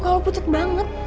kau pucat banget